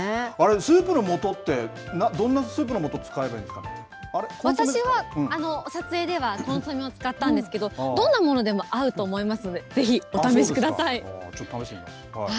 スープのもとって、どんなスープ私は撮影ではコンソメを使ったんですけど、どんなものでも合うと思いますので、ぜひ、お試しちょっと試してみましょう。